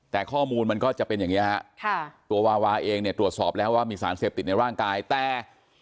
แต่ข้อมูลมันก็จะเป็นอย่างนี้ฮะค่ะตัววาวาเองเนี่ยตรวจสอบแล้วว่ามีสารเสพติดในร่างกายแต่